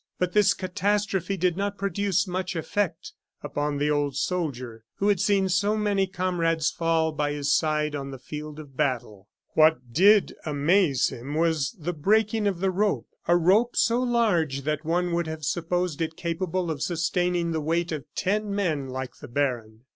But this catastrophe did not produce much effect upon the old soldier, who had seen so many comrades fall by his side on the field of battle. What did amaze him was the breaking of the rope a rope so large that one would have supposed it capable of sustaining the weight of ten men like the baron.